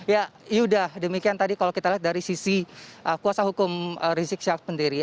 ya sudah demikian tadi kalau kita lihat dari sisi kuasa hukum rizik syafendiri